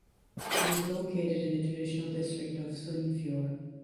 It is located in the traditional district of Sunnfjord.